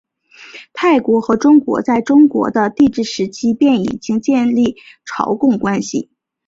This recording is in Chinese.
泰国和中国在中国的帝制时期便已经建立朝贡关系。